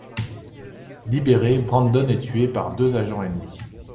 Libéré, Brandon est tué par deux agents ennemis.